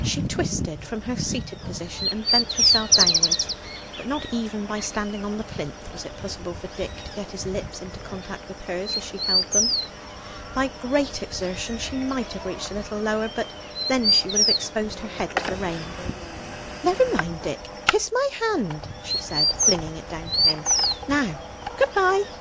She twisted from her seated position and bent herself downwards, but not even by standing on the plinth was it possible for Dick to get his lips into contact with hers as she held them. By great exertion she might have reached a little lower; but then she would have exposed her head to the rain. "Never mind, Dick; kiss my hand," she said, flinging it down to him. "Now, good bye."